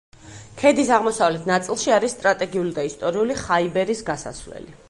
ქედის აღმოსავლეთ ნაწილში არის სტრატეგიული და ისტორიული ხაიბერის გასასვლელი.